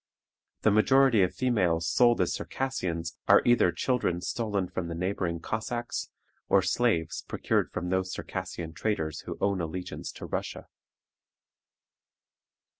The majority of females sold as Circassians are either children stolen from the neighboring Cossacks, or slaves procured from those Circassian traders who own allegiance to Russia.